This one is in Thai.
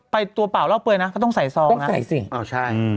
ตัวเปล่าเล่าเปลือยนะก็ต้องใส่ซองต้องใส่สิอ้าวใช่อืม